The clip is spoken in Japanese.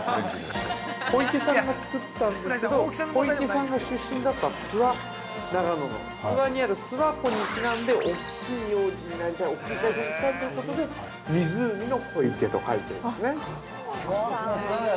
◆小池さんが作ったんですけど、小池さんが出身だった諏訪長野の、長野にある諏訪湖に因んで、大きいようになりたい、大きい会社にしたいということで、湖の「こいけ」と書いているんですね。